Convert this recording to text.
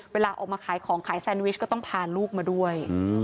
เวลาออกมาขายของขายแซนวิชก็ต้องพาลูกมาด้วย